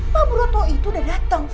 pak broto itu udah dateng